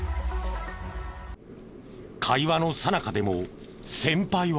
会話のさなかでも先輩は。